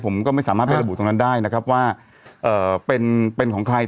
ผมก็ไม่สามารถไประบุตรงนั้นได้นะครับว่าเป็นเป็นของใคร